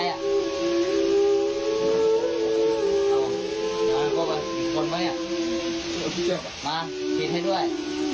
อุ้ยอุ้ยเอามาก็ไปอีกคนไหมอ่ะมาผิดให้ด้วย